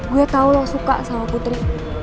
gue tau loh suka sama putri